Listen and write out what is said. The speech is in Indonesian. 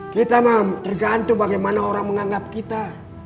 kita tergantung bagaimana orang menganggap kita